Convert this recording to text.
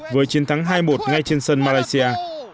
với chiến thắng hai một ngay trên sân malaysia